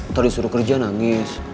atau disuruh kerja nangis